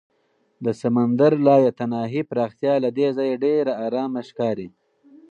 د سمندر لایتناهي پراختیا له دې ځایه ډېره ارامه ښکاري.